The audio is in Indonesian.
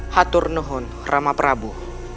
haturnuhun rama prabu